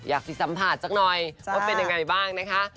อยากไปสัมผัสสักหน่อยว่าเป็นยังไงบ้างนะคะ